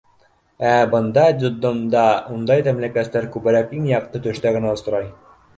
Ә бында, детдомда, ундай тәмлекәстәр күберәк иң яҡты төштә генә осрай.